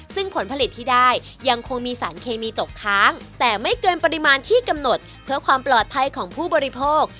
ซึ่งผลผลิตที่ได้ยังคงมีสารเคมีตกค้างแต่ไม่เกินปริมาณที่กำหนดเพื่อความปลอดภัยของผู้บริโภค